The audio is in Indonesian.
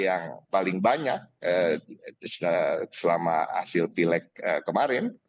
yang paling banyak selama hasil pileg kemarin